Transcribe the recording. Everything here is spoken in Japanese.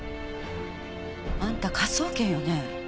あんた科捜研よね。